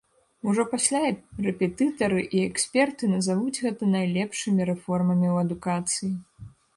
Ужо пасля рэпетытары і эксперты назавуць гэта найлепшымі рэформамі ў адукацыі.